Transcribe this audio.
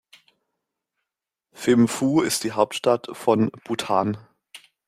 Thimphu ist die Hauptstadt von Bhutan.